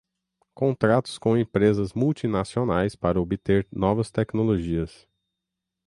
contratos com empresas multinacionais para obter novas tecnologias